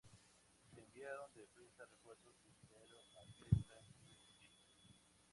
Se enviaron de prisa refuerzos y dinero a Creta y Chipre.